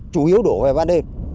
chủ yếu đổ về ban đêm